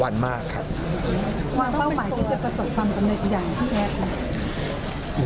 วางเป้าหมายที่จะประสบความสวยแบบพี่แอ๊ด